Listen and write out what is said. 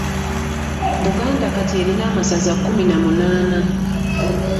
Buganda kati erina amasaza kkumi na munaana.